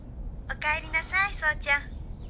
おかえりなさい奏ちゃん。